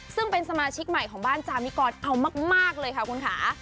ซึ่งเป็นสมาชิกใหม่ของบ้านจามิกรเอามากเลยค่ะคุณค่ะ